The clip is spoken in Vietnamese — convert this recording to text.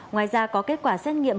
ngoài ra có kết quả xét nghiệm